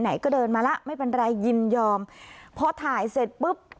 ไหนก็เดินมาแล้วไม่เป็นไรยินยอมพอถ่ายเสร็จปุ๊บ